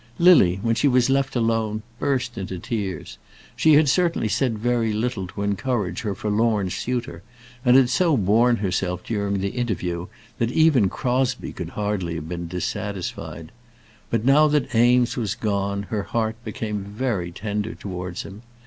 Lily when she was left alone burst into tears. She had certainly said very little to encourage her forlorn suitor, and had so borne herself during the interview that even Crosbie could hardly have been dissatisfied; but now that Eames was gone her heart became very tender towards him.